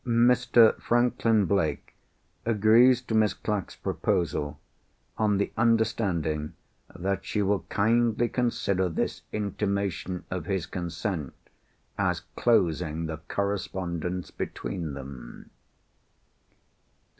"Mr. Franklin Blake agrees to Miss Clack's proposal, on the understanding that she will kindly consider this intimation of his consent as closing the correspondence between them."